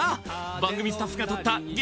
番組スタッフが撮った激